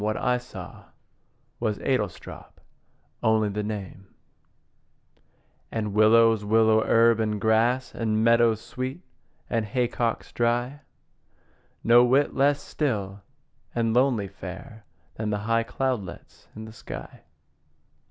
What I saw Was Adlestrop only the name And willows, willow herb, and grass, And meadowsweet, and haycocks dry; No whit less still and lonely fair Than the high cloudlets in the sky.